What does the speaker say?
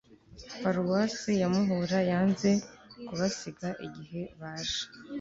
Paruwasi ya Muhura Yanze kubasiga igihe baje